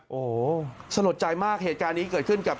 โอ้โหสลดใจมากเหตุการณ์นี้เกิดขึ้นกับ